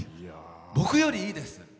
僕より、いいです。